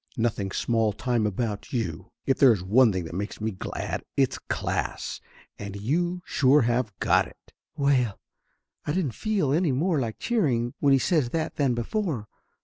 Nothing small time about you! If there is one thing makes me glad, it's class, and you sure have got it!" Well, I didn't feel any more like cheering when he says that than before.